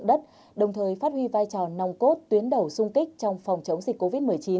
đất đồng thời phát huy vai trò nòng cốt tuyến đầu sung kích trong phòng chống dịch covid một mươi chín